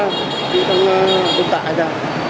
em đi trong vùng tạ hay sao